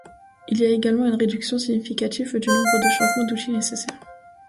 Il y a également une réduction significative du nombre de changements d'outils nécessaire.